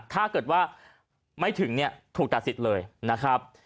ถ้าเกิดว่าไม่ถึงเนี่ยถูกตัดสิทธิ์เลยนะครับ